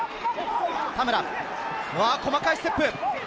田村、細かいステップ。